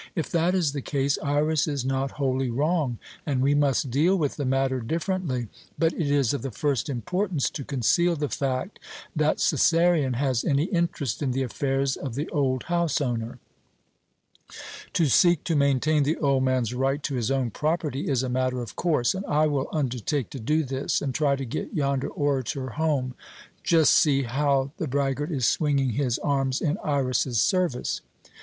"If that is the case, Iras is not wholly wrong, and we must deal with the matter differently. But it is of the first importance to conceal the fact that Cæsarion has any interest in the affairs of the old house owner. To seek to maintain the old man's right to his own property is a matter of course, and I will undertake to do this and try to get yonder orator home Just see how the braggart is swinging his arms in Iras's service!